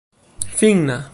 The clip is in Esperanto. finna